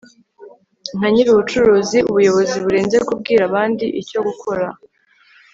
nka nyiri ubucuruzi, ubuyobozi burenze kubwira abandi icyo gukora